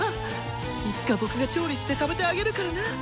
いつか僕が調理して食べてあげるからな！